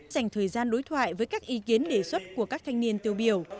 dành thời gian đối thoại với các ý kiến đề xuất của các thanh niên tiêu biểu